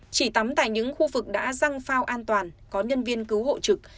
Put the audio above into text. chỉ tắm tại những khu vực đã răng phao an toàn có nhân viên cứu hộ trực